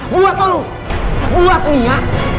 buat lu buat mia